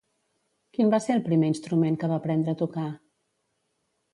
Quin va ser el primer instrument que va aprendre a tocar?